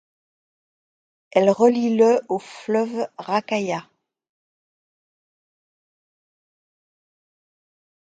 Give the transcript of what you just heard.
Elle relie le au fleuve Rakaia.